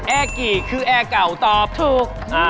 แอร์กี่คือแอร์เก่าตอบถูก